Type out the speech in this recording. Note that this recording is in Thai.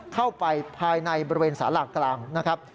เข้าไปภายในบริเวณสารากลางนะครับ